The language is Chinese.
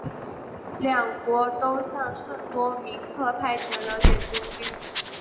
两国都向圣多明克派遣了远征军。